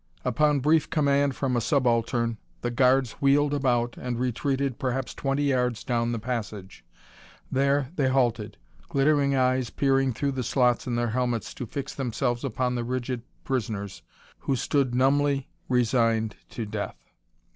Upon brief command from a subaltern, the guards wheeled about and retreated perhaps twenty yards down the passage. There they halted, glittering eyes peering through the slots in their helmets to fix themselves upon the rigid prisoners who stood numbly resigned to death.